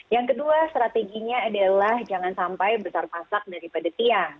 yang kedua strateginya adalah jangan sampai besar pasak daripada tiang